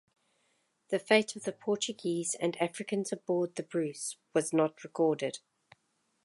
The fate of the Portuguese and Africans aboard the "Bruce" was not recorded.